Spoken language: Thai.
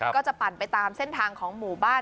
ก็จะปั่นไปตามเส้นทางของหมู่บ้าน